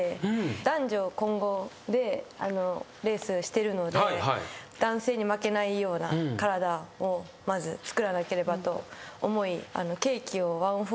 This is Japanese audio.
男女混合でレースしてるので男性に負けないような体をまずつくらなければと思い。